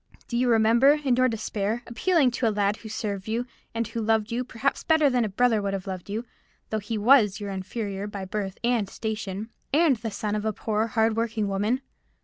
Do you remember, in your despair, appealing to a lad who served you, and who loved you, better perhaps than a brother would have loved you, though he was your inferior by birth and station, and the son of a poor, hard working woman?